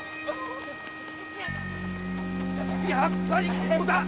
やっぱりここだ！